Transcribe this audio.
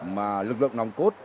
mà lực lượng nòng cốt